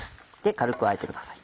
軽くあえてください。